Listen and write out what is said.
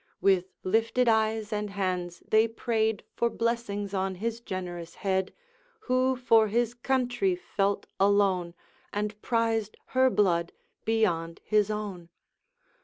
With lifted hands and eyes, they prayed For blessings on his generous head Who for his country felt alone, And prized her blood beyond his own.